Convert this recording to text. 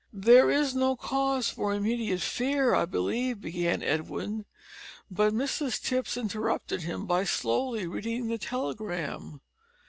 "There is no cause for immediate fear, I believe," began Edwin, but Mrs Tipps interrupted him by slowly reading the telegram.